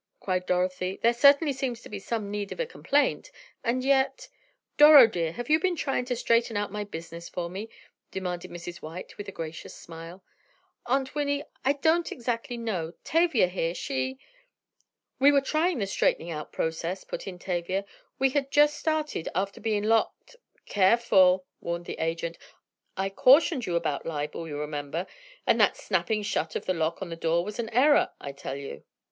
cried Dorothy. "There certainly seems to be some need of a complaint, and yet——" "Doro, dear, have you been trying to straighten out my business for me?" demanded Mrs. White, with a gracious smile. "Aunt Winne—I don't exactly know. Tavia here, she——" "We're trying the straightening out process," put in Tavia. "We had just started after being locked——" "Careful!" warned the agent. "I cautioned you about libel, you remember, and that snapping shut of the lock on the door was an error, I tell you."